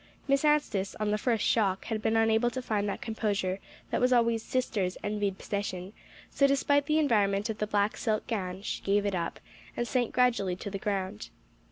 Miss Anstice, on the first shock, had been unable to find that composure that was always "sister's" envied possession; so despite the environment of the black silk gown, she gave it up, and sank gradually to the ground.